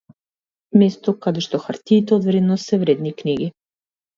Место каде што хартиите од вредност се вредни книги.